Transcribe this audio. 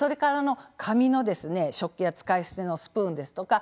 紙の食器や使い捨てのスプーン